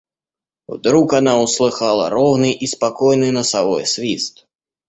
Вдруг она услыхала ровный и спокойный носовой свист.